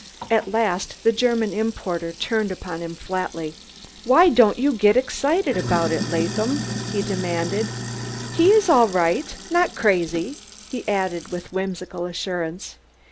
At last the German importer turned upon him flatly. "Why don'd you ged egzited aboud id, Laadham?" he demanded. "He iss all righd, nod crazy," he added with whimsical assurance.